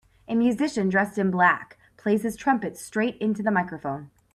A musician dressed in black plays his trumpet straight into the microphone.